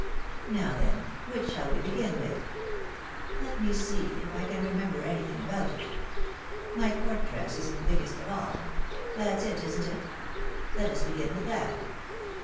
Now, then, which shall we begin with ? Let me see if I can remember anything about it. My court dress is in the biggest of all. That's it, isn't it ? Let us begin with that."